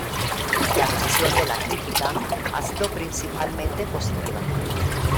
La recepción de la crítica ha sido principalmente positiva.